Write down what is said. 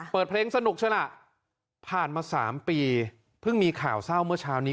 เปิดเพลงสนุกใช่ล่ะผ่านมา๓ปีเพิ่งมีข่าวเศร้าเมื่อเช้านี้